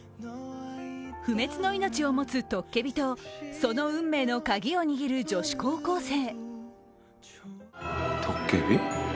不滅の命を持つトッケビとその運命のカギを握る女子高校生。